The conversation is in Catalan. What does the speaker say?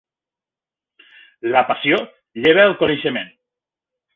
La passió lleva el coneixement.